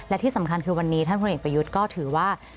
และที่สำคัญคือวันนี้ท่านพลเอกประยุทธ์ก็ถือว่า